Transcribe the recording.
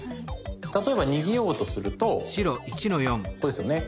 例えば逃げようとするとここですよね。